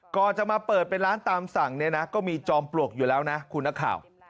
ก่อนจะมาเปิดเป็นร้านตามสั่งเนี่ยนะก็มีจอมปลวกอยู่แล้วนะคุณนักข่าว